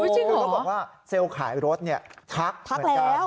จริงเหรอเขาก็บอกว่าเซลขายรถเนี่ยทักทักแล้ว